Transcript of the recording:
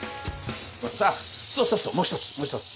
さあもう一つもう一つ。